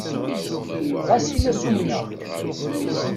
Ɣas in-as umneɣ-k.